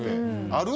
ある？